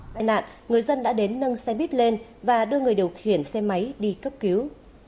tai nạn người dân đã đến nâng xe buýt lên và đưa người điều khiển xe máy đi cấp cứu